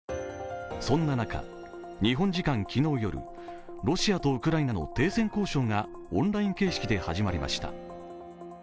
そんな中、日本時間昨日夜ロシアとウクライナの停戦交渉がオンライン形式で始まりました。